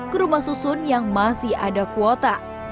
ke rumah susun yang masih ada kuota